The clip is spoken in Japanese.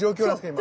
今。